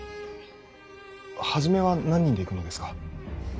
初めは何人で行くのですか。